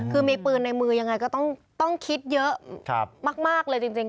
คือมีปืนในมือยังไงก็ต้องคิดเยอะมากเลยจริง